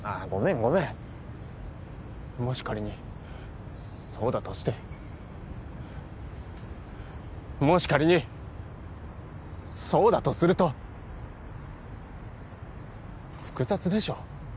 ごめんもし仮にそうだとしてもし仮にそうだとすると複雑でしょ